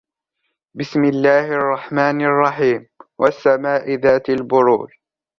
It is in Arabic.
بِسْمِ اللَّهِ الرَّحْمَنِ الرَّحِيمِ وَالسَّمَاءِ ذَاتِ الْبُرُوجِ